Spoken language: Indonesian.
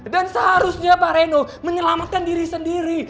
dan seharusnya pak rino menyelamatkan diri sendiri